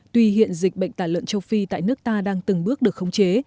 tuy hiện dịch bệnh tả lợn châu phi tại nước ta đang từng bước được khống chế